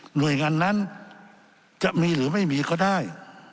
หน่วยงานนั้นจะมีหรือไม่มีก็ได้